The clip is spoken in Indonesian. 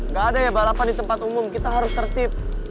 gak ada ya balapan di tempat umum kita harus tertib